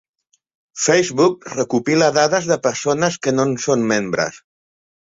Facebook recopila dades de persones que no en són membres.